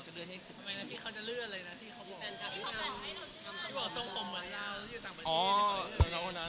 ไม่นะมีใครจะเลือกเลยนะ